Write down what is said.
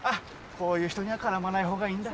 こういう人には絡まないほうがいいんだ。